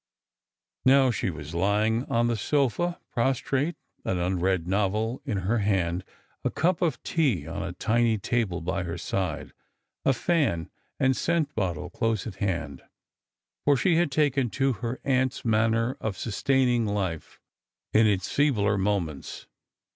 Now she was lying on the sofa, prostrate, an unread novel in her hand, a cup of tea on a tiny table by her side, a fan and scent bottle close at h^nd, for she had taken to her aunt's man ner of sustaining life in its feebler moments.